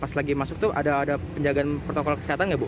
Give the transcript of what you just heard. pas lagi masuk tuh ada penjagaan protokol kesehatan nggak bu